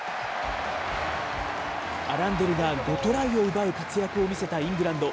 アランデルが５トライを奪う活躍を見せたイングランド。